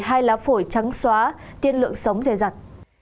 hay lá phổi trắng xóa tiên lượng sống dài dặt